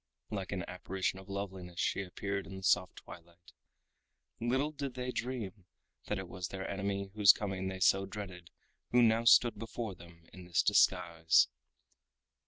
Like an apparition of loveliness she appeared in the soft twilight. Little did they dream that it was their enemy whose coming they so dreaded who now stood before them in this disguise.